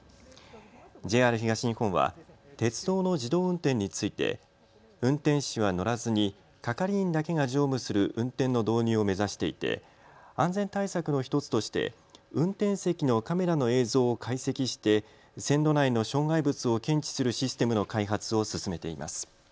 ＪＲ東日本は鉄道の自動運転について運転士は乗らずに係員だけが乗務する運転の導入を目指していて安全対策の１つとして運転席のカメラの映像を解析して線路内の障害物を検知するシステムの開発を進めています。